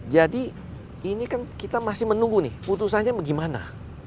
jadi ini kan kita masih menunggu nih putusannya bagaimana